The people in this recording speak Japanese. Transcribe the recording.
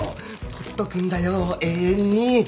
取っとくんだよ永遠に。